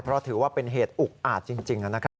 เพราะถือว่าเป็นเหตุอุกอาจจริงนะครับ